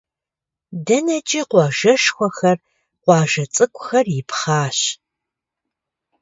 ДэнэкӀи къуажэшхуэхэр, къуажэ цӀыкӀухэр ипхъащ.